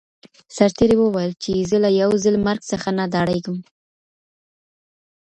سرتیري وویل چي زه له یو ځل مرګ څخه نه ډاریږم.